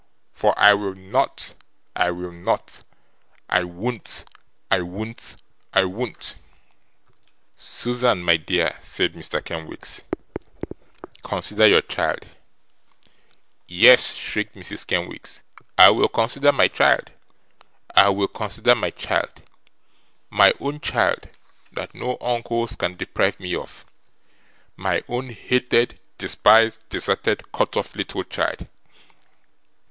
For I will not, I will not, I won't, I won't, I won't!' 'Susan, my dear,' said Mr. Kenwigs, 'consider your child.' 'Yes,' shrieked Mrs. Kenwigs, 'I will consider my child! I will consider my child! My own child, that no uncles can deprive me of; my own hated, despised, deserted, cut off little child.